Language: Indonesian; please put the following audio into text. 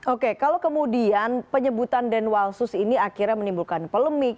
oke kalau kemudian penyebutan denwalsus ini akhirnya menimbulkan polemik